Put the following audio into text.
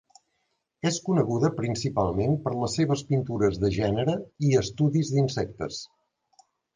És coneguda principalment per les seves pintures de gènere i estudis d'insectes.